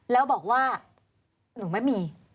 แล้วบอกว่าหนูไม่มี